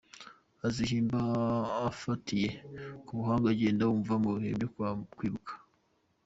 Azihimba afatiye ku buhamya agenda yumva mu gihe cyo kwibuka.